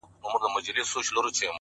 • پوهېږې په جنت کي به همداسي ليونی یم،